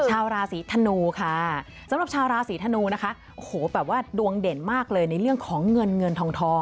ชาวราศีธนูค่ะสำหรับชาวราศีธนูนะคะโอ้โหแบบว่าดวงเด่นมากเลยในเรื่องของเงินเงินทองทอง